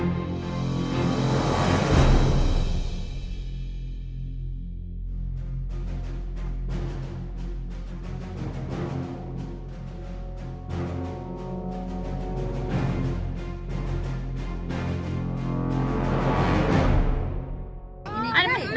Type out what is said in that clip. สวัสดีครับ